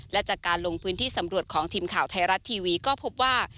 และจากการลงพื้นที่สำรวจของทีมข่าวไทยรัฐทีวีก็พบว่า